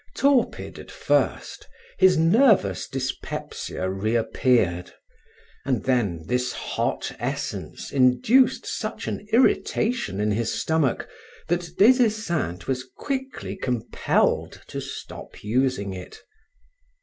Torpid at first, his nervous dyspepsia reappeared, and then this hot essence induced such an irritation in his stomach that Des Esseintes was quickly compelled to stop using it.